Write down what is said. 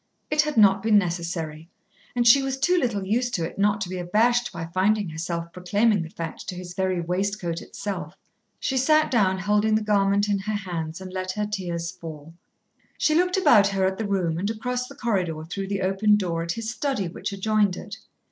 It had not been necessary, and she was too little used to it not to be abashed by finding herself proclaiming the fact to his very waistcoat itself. She sat down holding the garment in her hands and let her tears fall. She looked about her at the room and across the corridor through the open door at his study which adjoined it.